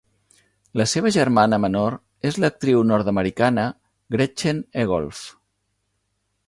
La seva germana menor és l'actriu nord-americana Gretchen Egolf.